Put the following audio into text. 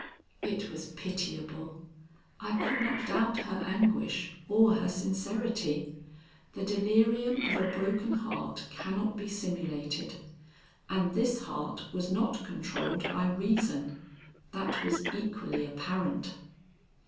It was pitiable. I could not doubt her anguish or her sincerity. The delirium of a broken heart cannot be simulated. And this heart was not controlled by reason; that was equally apparent.